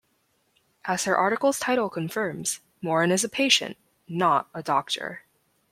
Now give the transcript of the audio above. As her article's title confirms, Moran is a patient, not a doctor.